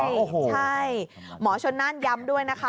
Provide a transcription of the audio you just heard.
ใช่หมอชนน่านย้ำด้วยนะคะ